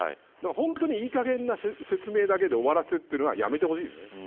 本当に、いいかげんな説明だけで終わらせるというのはやめてほしですね。